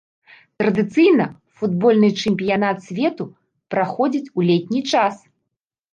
Традыцыйна футбольны чэмпіянат свету праходзіць у летні час.